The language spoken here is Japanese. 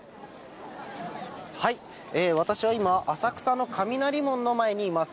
私は今、浅草の雷門の前にいます。